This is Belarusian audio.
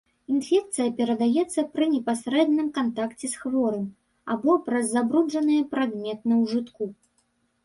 Інфекцыя перадаецца пры непасрэдным кантакце з хворым або праз забруджаныя прадметы ўжытку.